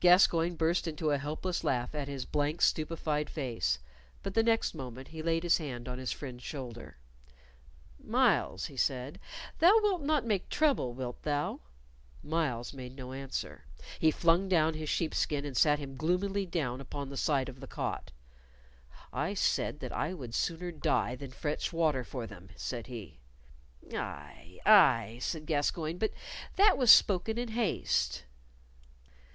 Gascoyne burst into a helpless laugh at his blank, stupefied face, but the next moment he laid his hand on his friend's shoulder. "Myles," he said, "thou wilt not make trouble, wilt thou?" Myles made no answer. He flung down his sheepskin and sat him gloomily down upon the side of the cot. "I said that I would sooner die than fetch water for them," said he. "Aye, aye," said Gascoyne; "but that was spoken in haste."